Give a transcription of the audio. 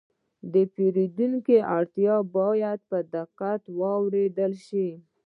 د پیرودونکي اړتیا باید په دقت واورېدل شي.